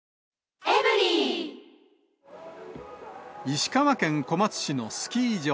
石川県小松市のスキー場。